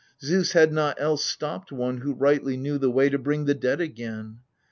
Zeus had not else stopped one who rightly knew The way to bring the dead again.